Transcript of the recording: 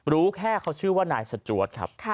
รู้แค่เขาชื่อว่านายสจวดครับ